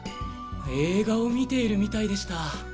映画を見ているみたいでした。